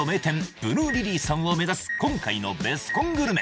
ブルーリリーさんを目指す今回のベスコングルメ！